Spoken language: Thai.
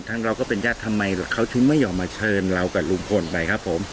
เราก็เป็นญาติทำไมเขาถึงไม่ยอมมาเชิญเรากับลุงพลไปครับผม